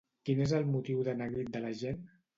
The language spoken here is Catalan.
Quin és el motiu de neguit de la gent?